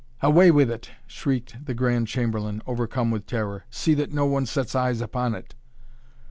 "Away with it!" shrieked the Grand Chamberlain overcome with terror. "See that no one sets eyes upon it!"